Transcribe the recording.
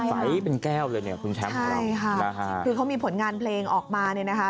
ใสเป็นแก้วเลยเนี่ยคุณแชมป์ของเราใช่ค่ะนะฮะคือเขามีผลงานเพลงออกมาเนี่ยนะคะ